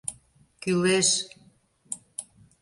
Кӱлеш.